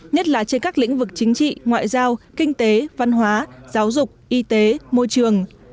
nhất là trên các lĩnh vực chính trị ngoại giao kinh tế văn hóa giáo dục y tế môi trường